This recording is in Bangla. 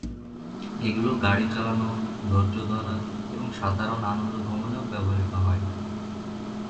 এগুলি গাড়ি চালানো, ধৈর্য ধরা এবং সাধারণ আনন্দভ্রমণেও ব্যবহৃত হয়।